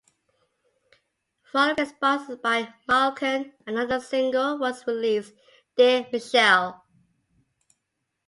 Following responses by Malkin another single was released, "Dear Michelle".